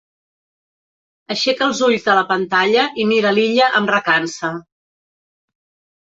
Aixeca els ulls de la pantalla i mira l'Illa amb recança.